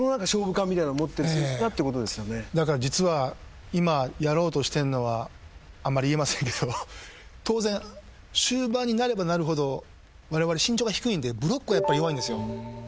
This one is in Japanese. だから実は今やろうとしてんのはあんまり言えませんけど当然終盤になればなるほどわれわれ身長が低いんでブロックはやっぱり弱いんですよ。